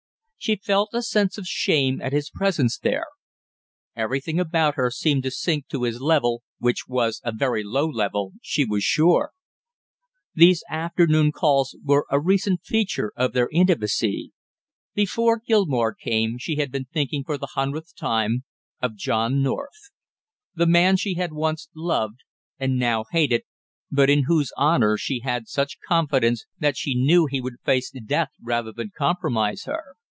She felt a sense of shame at his presence there. Everything about her seemed to sink to his level, which was a very low level, she was sure. These afternoon calls were a recent feature of their intimacy. Before Gilmore came, she had been thinking for the hundredth time of John North the man she had once loved and now hated, but in whose honor she had such confidence that she knew he would face death rather than compromise her.